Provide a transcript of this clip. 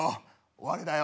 終わりだよ。